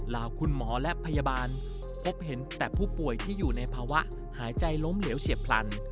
คุณหมอและพยาบาลพบเห็นแต่ผู้ป่วยที่อยู่ในภาวะหายใจล้มเหลวเฉียบพลัน